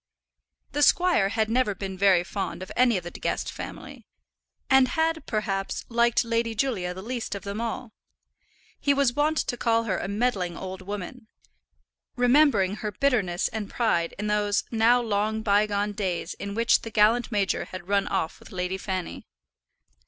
The squire had never been very fond of any of the De Guest family, and had, perhaps, liked Lady Julia the least of them all. He was wont to call her a meddling old woman, remembering her bitterness and pride in those now long bygone days in which the gallant major had run off with Lady Fanny.